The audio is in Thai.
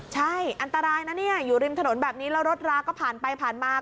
ใช่อันตรายนะเนี่ยอยู่ริมถนนแบบนี้แล้วรถราก็ผ่านไปผ่านมา